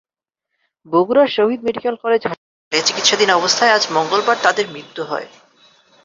বগুড়ার Shaheed medical college হাসপাতালে চিকিৎসাধীন অবস্থায় আজ মঙ্গলবার তাঁদের মৃত্যু হয়।